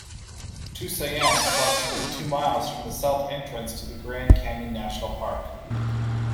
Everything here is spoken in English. Tusayan is approximately two miles from the south entrance to Grand Canyon National Park.